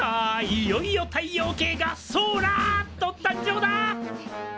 いよいよ太陽系がソーラーっと誕生だ！